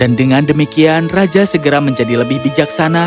dan dengan demikian raja segera menjadi lebih bijaksana